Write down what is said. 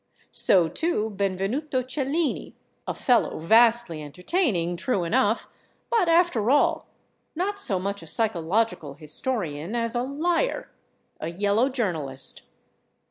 So, too, Benvenuto Cellini: a fellow vastly entertaining, true enough, but after all, not so much a psychological historian as a liar, a yellow journalist.